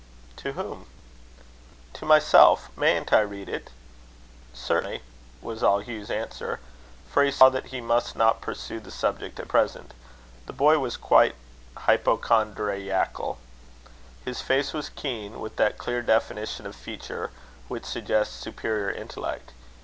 "To whom?" "To myself. Mayn't I read it?" "Certainly," was all Hugh's answer; for he saw that he must not pursue the subject at present: the boy was quite hypochondriacal. His face was keen, with that clear definition of feature which suggests superior intellect.